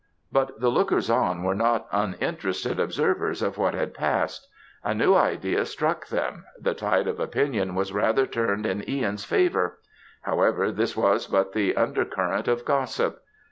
But the lookers on were not uninterested observers of what had past. A new idea struck them; the tide of opinion was rather turned in Ihan's favour. However, this was but the under current of gossip.